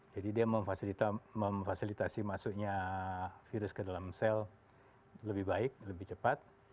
jadi dia memfasilitasi masuknya virus ke dalam sel lebih baik lebih cepat